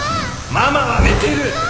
・ママは寝てる！